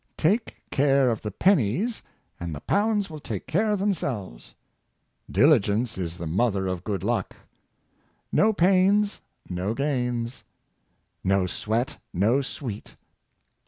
" Take care of the pennies and the pounds will take care of themselves." " Diligence is the mother of good luck." *'No pains, no gains." "No sweat, no sweet."